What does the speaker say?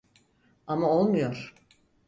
Ama olmuyor.